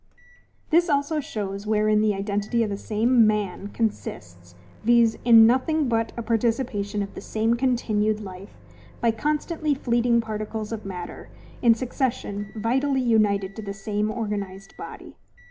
This also shows wherein the identity of the same MAN consists; viz. in nothing but a participation of the same continued life, by constantly fleeting particles of matter, in succession vitally united to the same organized body.